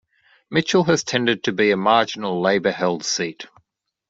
Mitchell has tended to be a marginal Labor-held seat.